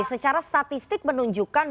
secara statistik menunjukkan